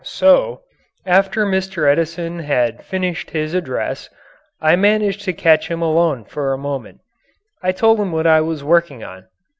So, after Mr. Edison had finished his address, I managed to catch him alone for a moment. I told him what I was working on.